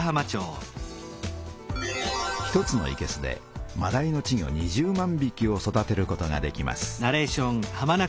１つのいけすでまだいの稚魚２０万びきを育てることができます。